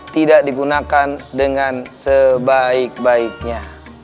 tidak digunakan dengan sebaik baiknya